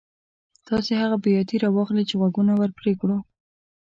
تاسې هغه بیاتي را واخلئ چې غوږونه ور پرې کړو.